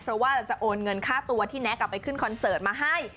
เพราะว่าจะโอนเงินค่าตัวที่แน็กไปขึ้นคอนเสิร์ตมาให้